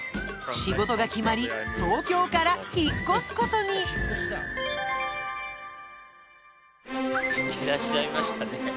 仕事が決まり東京から引っ越すことにいらっしゃいましたね。